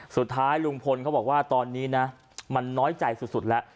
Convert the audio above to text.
สุดท้ายลุงพลเขาบอกว่าตอนนี้นะมันน้อยใจสุดแล้ว